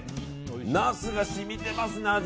ナスが染みてますね、味。